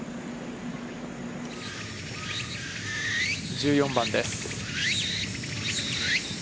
１４番です。